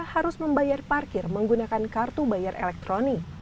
harus membayar parkir menggunakan kartu bayar elektronik